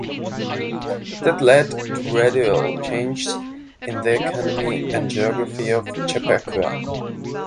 That led to gradual changes in the economy and geography of Chappaqua.